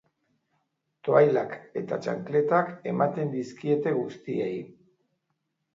Toallak eta txankletak ematen dizkiete guztiei.